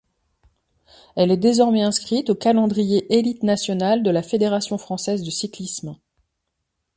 Elle est désormais inscrite au calendrier élite nationale de la Fédération française de cyclisme.